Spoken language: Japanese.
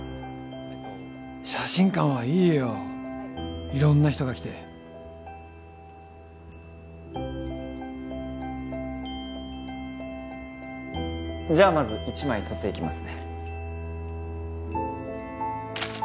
写真館はいいよ色んな人が来てじゃあまず１枚撮っていきますね